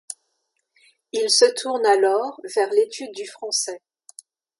Il se tourne alors vers l'étude du français.